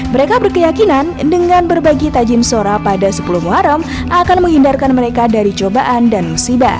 mereka berkeyakinan dengan berbagi tajim sora pada sepuluh muharam akan menghindarkan mereka dari cobaan dan musibah